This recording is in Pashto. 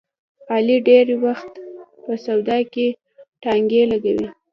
علي ډېری وخت په سودا کې ټانګې لګوي.